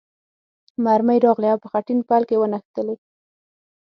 مرمۍ راغلې او په خټین پل کې ونښتلې.